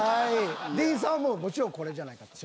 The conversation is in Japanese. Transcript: ディーンさんはもちろんこれじゃないかと。